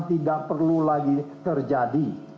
tidak perlu lagi terjadi